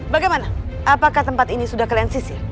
bagaimana apakah tempat ini sudah kalian sisir